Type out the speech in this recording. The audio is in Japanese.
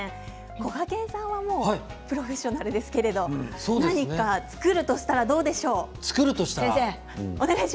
こがけんさんはプロフェッショナルですけれど何か作るとしたら作るとしたら。